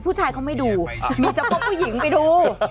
ผู้ชายเขาไม่ดูมีเฉพาะผู้หญิงไปดู